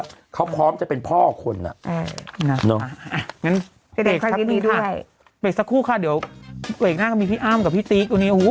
ถือว่าเป็นการเจอกันอีกครั้งในรอบ๑๘ปีแม่